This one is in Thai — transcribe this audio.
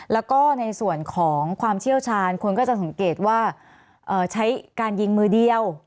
แล้วก็ในส่วนของความเชี่ยวชาญคนก็จะสังเกตว่าใช้การยิงมือเดียว